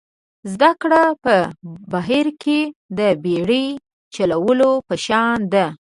زده کړه په بحیره کې د بېړۍ چلولو په شان ده.